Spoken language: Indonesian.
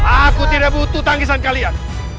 aku tidak butuh tangisan kalian